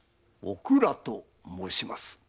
「おくら」と申します。